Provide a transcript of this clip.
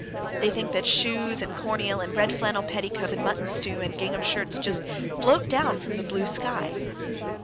They think that shoes and corn meal and red flannel petticoats and mutton stew and gingham shirts just float down from the blue sky.